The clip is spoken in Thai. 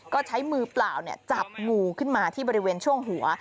ก็ใช้มือเปล่าจับงูขึ้นมาที่บริเวณช่วงหัว